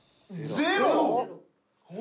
ゼロ？